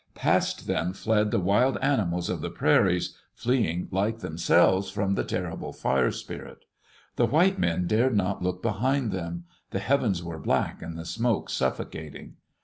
Past them fled the wild animals of the prairies, fleeing like themselves from the terrible Fire Spirit The white men dared not look behind them. The heavens werei black and the smoke suffocating.